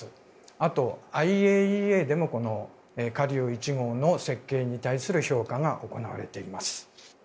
あと、ＩＡＥＡでの華竜１号の設計に対する評価が行われています。